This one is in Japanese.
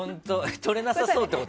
とれなさそうってこと？